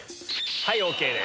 はいＯＫです。